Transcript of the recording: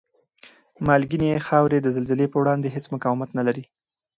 مالګینې خاورې د زلزلې په وړاندې هېڅ مقاومت نلري؟